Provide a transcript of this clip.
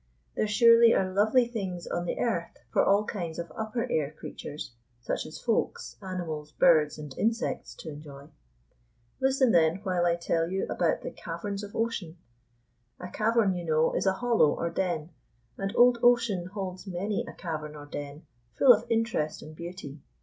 There surely are lovely things on the earth for all kinds of upper air creatures, such as Folks, animals, birds, and insects, to enjoy. Listen, then, while I tell about the "caverns of ocean". A cavern, you know, is a hollow or den, and old ocean holds many a cavern or den full of interest and beauty.